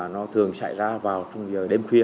nó thường xảy ra vào trong giờ đêm khuya